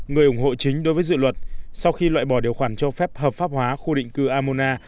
người ủng hộ chính đối với dự luật sau khi loại bỏ điều khoản cho phép hợp pháp hóa khu định cư amona